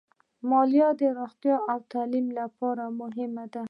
مالیه د روغتیا او تعلیم لپاره مهمه ده.